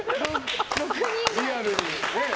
リアルにね。